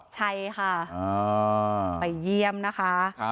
ใช่ค่ะไปเยี่ยมนะคะ